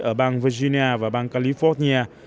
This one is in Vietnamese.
ở bang virginia và bang california